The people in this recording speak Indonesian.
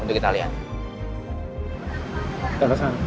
untuk kita lihat